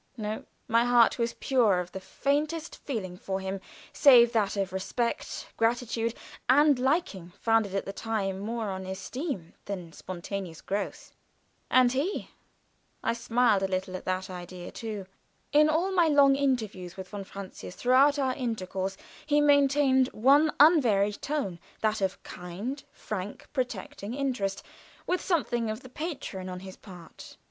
No; my heart was pure of the faintest feeling for him, save that of respect, gratitude, and liking founded at that time more on esteem than spontaneous growth. And he I smiled at that idea, too. In all my long interviews with von Francius throughout our intercourse he maintained one unvaried tone, that of a kind, frank, protecting interest, with something of the patron on his part.